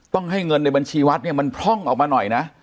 ให้เงินในบัญชีวัดเนี่ยมันพร่องออกมาหน่อยนะ